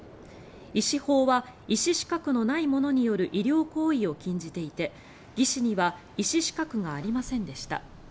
医師法は医師資格のない者による医療行為を禁じていて技師には医師資格がありませんでした。